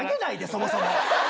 そもそも。